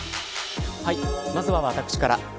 まずは私から。